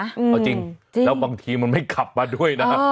เอาจริงแล้วบางทีมันไม่ขับมาด้วยนะ